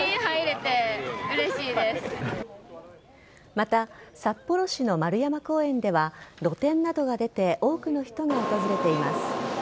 また、札幌市の円山公園では露店などが出て多くの人が訪れています。